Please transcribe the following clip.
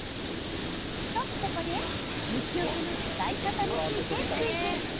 と、ここで虫よけの使い方についてクイズ。